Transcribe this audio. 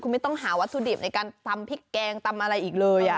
คุณไม่ต้องหาวัตถุดิบในการตำพริกแกงตำอะไรอีกเลย